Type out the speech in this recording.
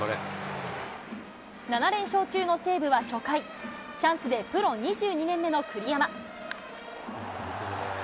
７連勝中の西武は初回、チャンスでプロ２２年目の栗山。